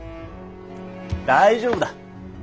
大丈夫だ。